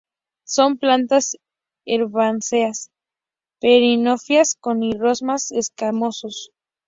Son plantas herbáceas, perennifolias con rizomas escamosos.